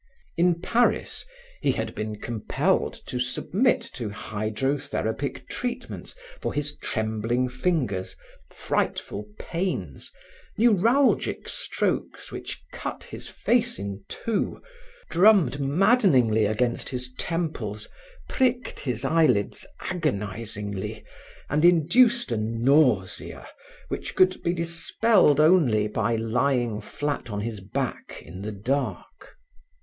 In Paris, he had been compelled to submit to hydrotherapic treatments for his trembling fingers, frightful pains, neuralgic strokes which cut his face in two, drummed maddeningly against his temples, pricked his eyelids agonizingly and induced a nausea which could be dispelled only by lying flat on his back in the dark.